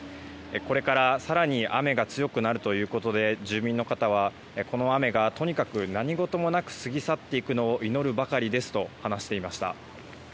これから更に雨が強くなるということで住民の方はこの雨がとにかく何事もなく過ぎ去っていくのを祈るばかりですと話していました。